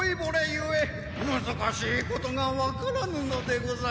故難しいことがわからぬのでございます。